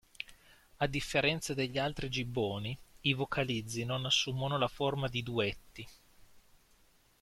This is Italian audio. A differenza degli altri gibboni, i vocalizzi non assumono la forma di "duetti".